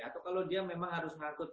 atau kalau dia memang harus ngangkut